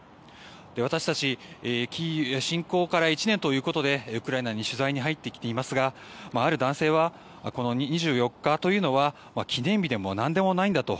私たち侵攻から１年ということでウクライナに取材に入ってきていますがある男性はこの２４日というのは記念日でも何でもないんだと。